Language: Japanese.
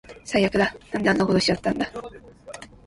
最悪だ。なんであんなことしちゃったんだ